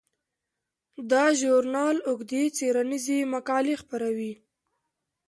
دا ژورنال اوږدې څیړنیزې مقالې خپروي.